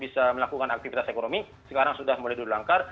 bisa melakukan aktivitas ekonomi sekarang sudah mulai dilangkar